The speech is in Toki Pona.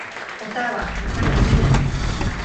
o tawa, o pana e wile mi.